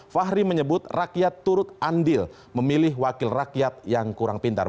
fahri menyebut rakyat turut andil memilih wakil rakyat yang kurang pintar